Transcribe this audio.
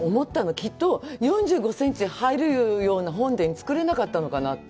きっと、４５センチ入れるような本殿を造れなかったのかなって。